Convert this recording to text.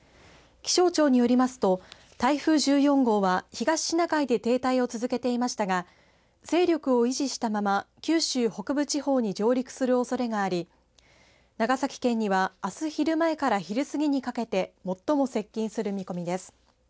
気象庁によりますと台風１４号は東シナ海で停滞を続けていましたが勢力を維持したまま九州北部地方に上陸するおそれがあり長崎県にはあす昼前から昼過ぎにかけて最も接近する見込みです。